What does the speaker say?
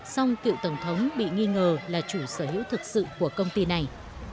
song cựu tổng thống bị nghi ngờ là chủ sở hữu thực sự của công ty này